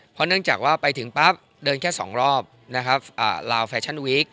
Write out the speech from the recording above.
เพราะเนื่องจากว่าไปถึงปั๊บเดินแค่๒รอบนะครับลาวแฟชั่นวีค